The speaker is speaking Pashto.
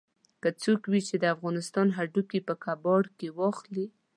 که څوک وي چې د افغانستان هډوکي په کباړ کې واخلي.